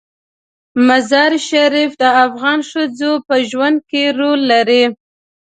مزارشریف د افغان ښځو په ژوند کې رول لري.